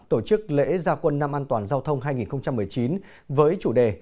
tổ chức lễ gia quân năm an toàn giao thông hai nghìn một mươi chín với chủ đề